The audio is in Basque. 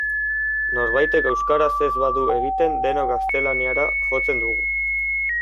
Norbaitek euskaraz ez badu egiten denok gaztelaniara jotzen dugu.